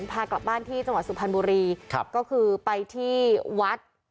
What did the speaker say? พากลับบ้านที่จังหวัดสุพรรณบุรีครับก็คือไปที่วัด